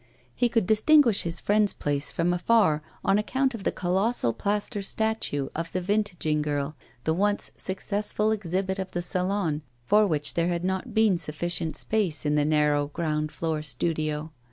He could distinguish his friend's place from afar on account of the colossal plaster statue of the 'Vintaging Girl,' the once successful exhibit of the Salon, for which there had not been sufficient space in the narrow ground floor studio.